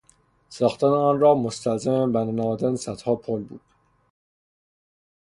ساختن آن راه مستلزم بنا نهادن صدها پل بود.